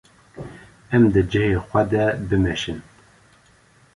Em di cihê xwe de bimeşin.